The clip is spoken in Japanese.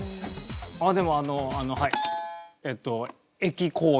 あっでもあのはい。